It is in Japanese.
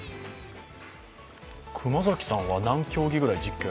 熊崎さんは何競技くらい実況を？